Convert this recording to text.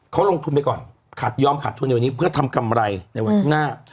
เขาลงทุนไปก่อนขาดยอมขาดทุนในวันนี้เพื่อทำกำไรในวันข้างหน้า